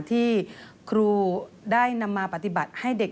ที่ครูได้นำมาปฏิบัติให้เด็ก